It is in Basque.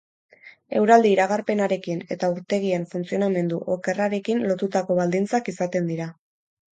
Eguraldi-iragarpenarekin eta urtegien funtzionamendu okerrarekin lotutako baldintzak izaten dira.